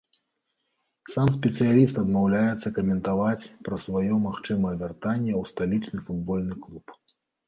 Сам спецыяліст адмаўляецца каментаваць пра сваё магчымае вяртанне ў сталічны футбольны клуб.